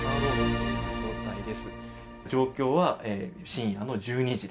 状況は深夜の１２時です。